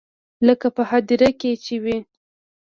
لکه په هديره کښې چې وي.